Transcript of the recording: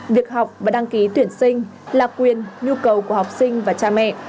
việc học và đăng ký tuyển sinh là quyền nhu cầu của học sinh và cha mẹ